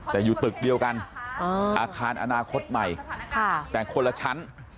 แต่อยู่ตึกเดียวกันอาคารอนาคตใหม่แต่คนละชั้น